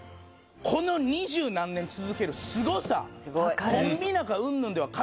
この二十何年続けるすごさ。